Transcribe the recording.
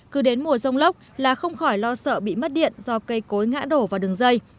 cứ đến mùa rông lốc là không khỏi lo sợ bị mất điện do cây cối ngã đổ vào đường dây